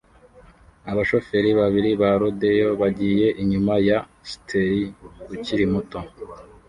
Abashoferi babiri ba rodeo bagiye inyuma ya steer ukiri muto